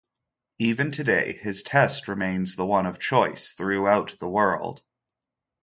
Even today, his test remains the one of choice throughout the world.